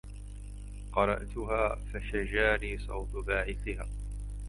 قرأتها فشجاني صوت باعثها